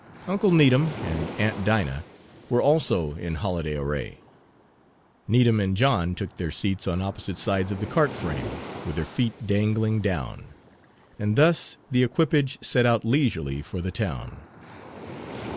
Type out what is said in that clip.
Uncle Needham and aunt Dinah were also in holiday array. Needham and John took their seats on opposite sides of the cart frame, with their feet dangling down, and thus the equipage set out leisurely for the town.